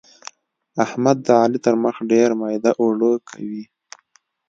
احمد د علي تر مخ ډېر ميده اوړه کوي.